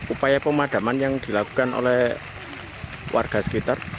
upaya pemadaman yang dilakukan oleh warga sekitar